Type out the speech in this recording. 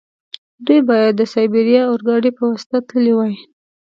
دوی باید د سایبیریا اورګاډي په واسطه تللي وای.